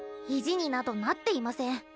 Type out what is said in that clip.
意地になどなっていません。